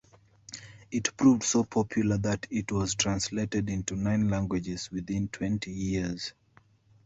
It proved so popular that it was translated into nine languages within twenty years.